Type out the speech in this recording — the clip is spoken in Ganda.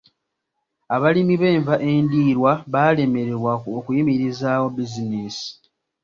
Abalimi b'enva endiirwa baalemererwa okuyimirizaawo bizinensi.